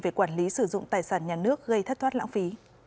về quản lý sử dụng tài sản nhà nước gây thất thoát lãng phí